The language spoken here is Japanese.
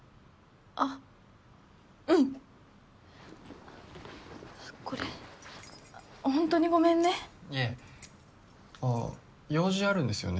あうんあっこれホントにごめんねいえあっ用事あるんですよね